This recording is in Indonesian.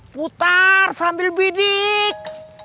putar sambil bidik